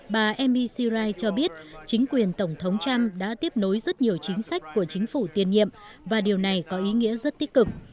bà emi sirai cho biết chính quyền tổng thống trump đã tiếp nối rất nhiều chính sách của chính phủ tiền nhiệm và điều này có ý nghĩa rất tích cực